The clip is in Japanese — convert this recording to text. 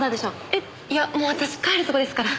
えっいやもう私帰るところですから。